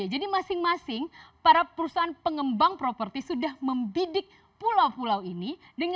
jadi masing masing para perusahaan pengembang properti sudah membidik pulau pulau ini